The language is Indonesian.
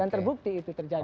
dan terbukti itu terjadi